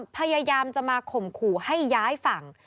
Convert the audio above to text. พยายามจะมาข่มขู่ให้ย้ายฝั่ง